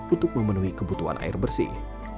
untuk memenuhi kebutuhan air bersih